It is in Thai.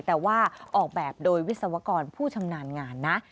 แต่ว่าออกแบบโดยวิศวกรผู้ชำนาญงานนะ